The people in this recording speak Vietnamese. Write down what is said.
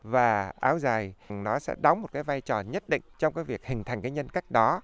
và áo dài nó sẽ đóng một vai trò nhất định trong việc hình thành nhân cách đó